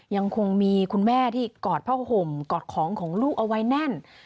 ยังคงมีคุณแม่ที่กอดผ้าห่มกอดของของลูกเอาไว้แน่น